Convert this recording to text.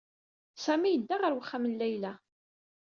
Sami yedda ɣer uxxam n Layla.